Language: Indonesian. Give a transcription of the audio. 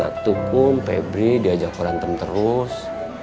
atukum pebri diajak aku rantem terus